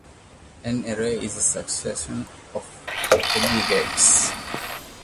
An "array" is a succession of aggregates.